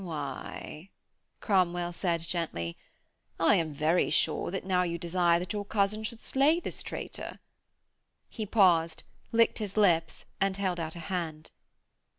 'Why,' Cromwell said gently, 'I am very sure that now you desire that your cousin should slay this traitor.' He paused, licked his lips and held out a hand.